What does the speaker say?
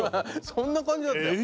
そんな感じだったよ。